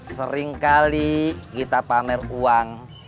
seringkali kita pamer uang